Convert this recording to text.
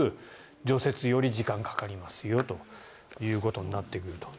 除雪より時間がかかりますよというところになってくると。